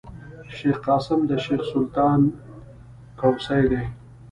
شېخ قاسم د شېخ سلطان کوسی دﺉ.